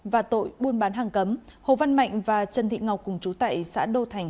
và tội buôn bán hàng cấm hồ văn mạnh và trần thị ngọc cùng chú tại xã đô thành